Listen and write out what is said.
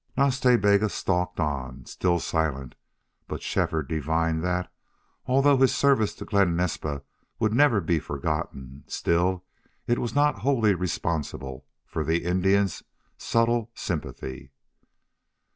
Nas Ta Bega stalked on, still silent, but Shefford divined that, although his service to Glen Naspa would never be forgotten, still it was not wholly responsible for the Indian's subtle sympathy.